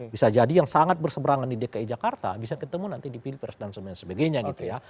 bisa jadi yang sangat berseberangan di dki jakarta bisa ketemu nanti di pilpres dan sebagainya gitu ya